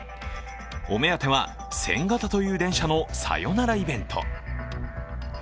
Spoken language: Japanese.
お目当ては、１０００形という電車のさよならイベント。